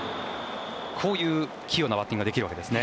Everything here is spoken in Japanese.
こういう器用なバッティングができるわけですね。